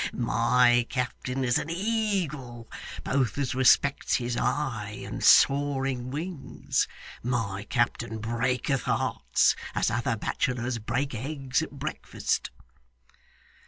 My captain is an eagle, both as respects his eye and soaring wings. My captain breaketh hearts as other bachelors break eggs at breakfast.